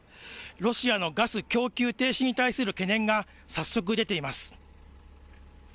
ロシアのガス供給停止に対する懸念が早速出ています。